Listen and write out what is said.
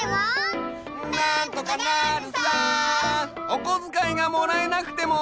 おこづかいがもらえなくても！